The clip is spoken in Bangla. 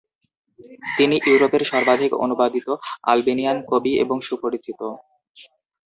তিনি ইউরোপের সর্বাধিক অনুবাদিত আলবেনিয়ান কবি এবং সুপরিচিত।